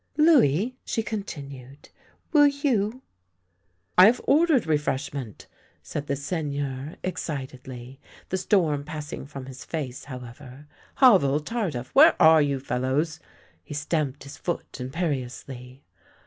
" Louis! " she continued, " will you "" I have ordered refreshment," said the Seigneur ex citedly, the storm passing from his face, however. "Havel, Tardif — where are you, fellows!" He stamped his foot imperiously.